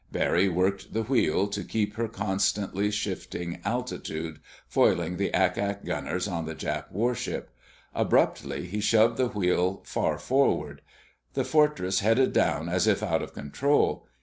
Barry worked the wheel to keep her constantly shifting altitude—foiling the ack ack gunners on the Jap warship. Abruptly he shoved the wheel far forward. The Fortress headed down as if out of control.